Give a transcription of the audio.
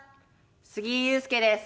杉井勇介です。